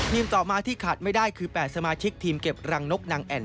ต่อมาที่ขาดไม่ได้คือ๘สมาชิกทีมเก็บรังนกนางแอ่น